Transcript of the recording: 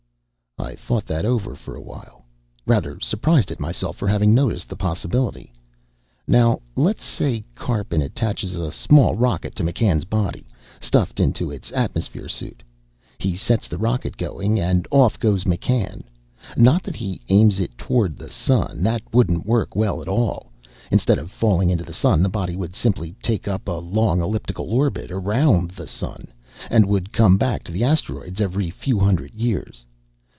I thought that over for a while, rather surprised at myself for having noticed the possibility. Now, let's say Karpin attaches a small rocket to McCann's body, stuffed into its atmosphere suit. He sets the rocket going, and off goes McCann. Not that he aims it toward the sun, that wouldn't work well at all. Instead of falling into the sun, the body would simply take up a long elliptical orbit around the sun, and would come back to the asteroids every few hundred years.